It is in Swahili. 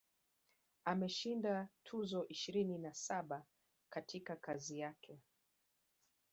Ameshinda tuzo ishirini na saba katika kazi yake